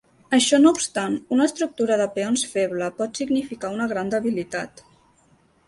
Això no obstant, una estructura de peons feble pot significar una gran debilitat.